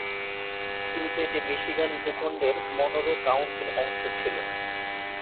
শুরুতে এটি মিশিগান ভূখণ্ডের মনরো কাউন্টির অংশ ছিল।